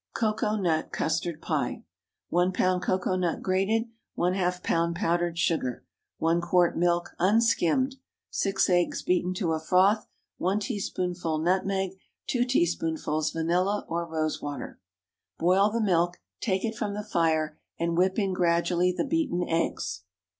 COCOA NUT CUSTARD PIE. ✠ 1 lb. cocoa nut, grated. ½ lb. powdered sugar. 1 quart milk, unskimmed. 6 eggs beaten to a froth. 1 teaspoonful nutmeg. 2 teaspoonfuls vanilla or rose water. Boil the milk, take it from the fire, and whip in gradually the beaten eggs.